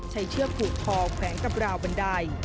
ใช้เทือกผูกคอแผงกับราวบันได